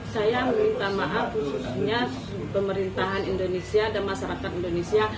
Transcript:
saya meminta maaf khususnya pemerintahan indonesia dan masyarakat indonesia